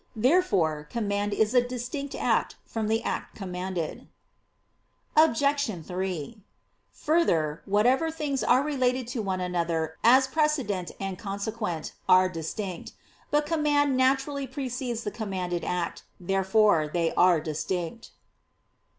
Therefore command is a distinct act from the act commanded. Obj. 3: Further, whatever things are related to one another as precedent and consequent, are distinct. But command naturally precedes the commanded act. Therefore they are distinct.